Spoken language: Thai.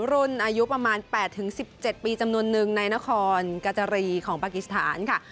รุ่นอายุประมาณ๘๑๗ปีจำนวนนึงในนครกาจารีของปากีสถานค่ะ